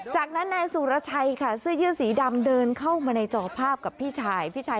จากนั้นนายสุรชัยค่ะเสื้อยืดสีดำเดินเข้ามาในจอภาพกับพี่ชายพี่ชาย